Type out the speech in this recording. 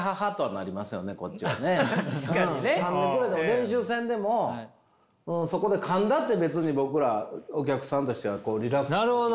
練習せんでもそこでかんだって別に僕らお客さんとしてはリラックスするというか。